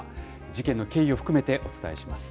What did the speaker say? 事件の経緯を含めてお伝えします。